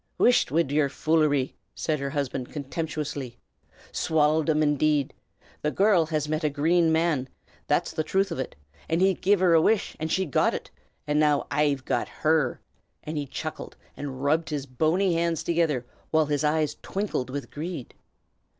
"Whisht wid yer foolery!" said her husband, contemptuously. "Swallied 'em, indade! The gyurrl has met a Grane Man, that's the truth of ut; and he's gi'n her a wish, and she's got ut, and now I've got her." And he chuckled, and rubbed his bony hands together, while his eyes twinkled with greed.